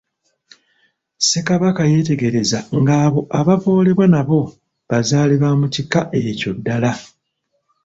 Ssekabaka yeetegereza ng'abo ababoolebwa nabo bazaale ba mu kika ekyo ddala.